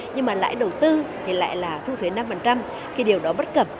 nhưng mà lãi đầu tư thì lại là thu dưới năm cái điều đó bất cập